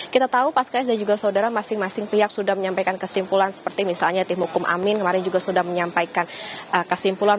kita tahu pasca dan juga saudara masing masing pihak sudah menyampaikan kesimpulan seperti misalnya tim hukum amin kemarin juga sudah menyampaikan kesimpulan